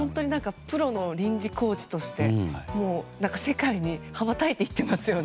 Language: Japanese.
プロの臨時コーチとして世界に羽ばたいていっていますね。